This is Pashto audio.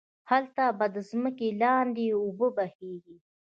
هلته به ده ځمکی لاندی اوبه بهيږي